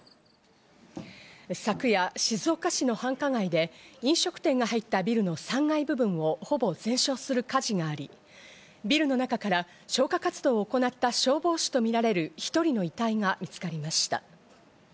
昨夜、静岡市の繁華街で飲食店が入ったビルの３階部分をほぼ全焼する火事があり、ビルの中から消火活動を行った消防士とみられる１人の遺体が見つかりました。